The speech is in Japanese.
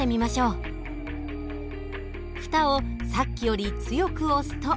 蓋をさっきより強く押すと。